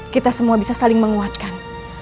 kita semua bisa saling menguatkan